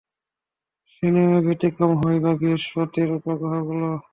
সে নিয়মের ব্যতিক্রম হয় না বৃহঃস্পতির উপগ্রহগুলোও।